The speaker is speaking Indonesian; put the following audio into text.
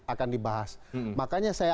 akan dibahas makanya saya